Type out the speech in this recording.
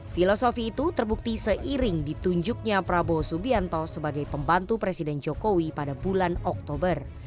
filosofi itu terbukti seiring ditunjuknya prabowo subianto sebagai pembantu presiden jokowi pada bulan oktober